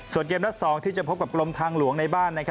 ส่วนเกมนัด๒ที่จะพบกับกรมทางหลวงในบ้าน